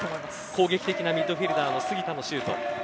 攻撃的ミッドフィルダーの杉田のシュート。